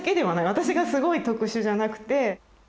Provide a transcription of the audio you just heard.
私がすごい特殊じゃなくて。